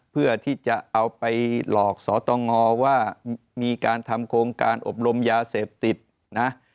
เพื่อที่จะเอาไปหลอกสตงว่ามีการทำโครงการอบรมยาเสพติดนะ